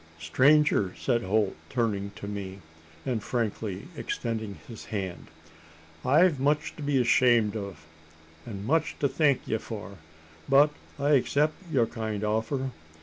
"Stranger!" said Holt, turning to me, and frankly extending his hand, "I've much to be ashamed o', an' much to thank ye for; but I accept yur kind offer.